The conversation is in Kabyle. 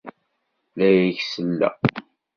La ak-selleɣ.